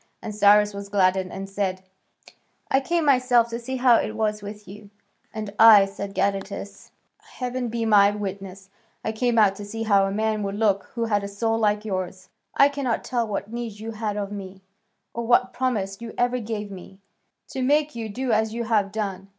And Cyrus was gladdened and said, "I came myself to see how it was with you." "And I," said Gadatas, "heaven be my witness, I came out to see how a man would look who had a soul like yours. I cannot tell what need you had of me, or what promise you ever gave me, to make you do as you have done.